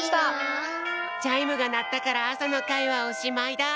チャイムがなったからあさのかいはおしまいだ。